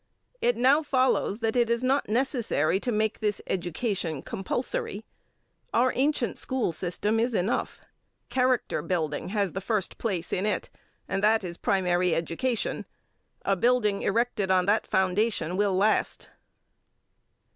It now follows that it is not necessary to make this education compulsory. Our ancient school system is enough. Character building has the first place in it, and that is primary education. A building erected on that foundation will last.